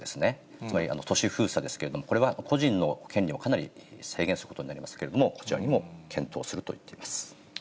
つまり都市封鎖ですけれども、これは個人の権利をかなり制限することになりますけれども、こちらにも検討すると言っています。